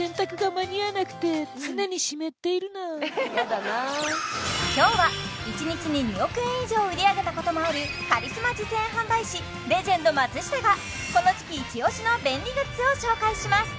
だな今日は１日に２億円以上売り上げたこともあるカリスマ実演販売士レジェンド松下がこの時期イチオシの便利グッズを紹介します